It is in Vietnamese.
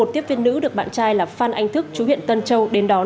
một tiếp viên nữ được bạn trai là phan anh thức chú huyện tân châu đến đón